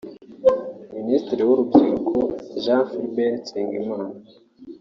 Minisitiri w’Urubyiruko Jean Philbert Nsengimana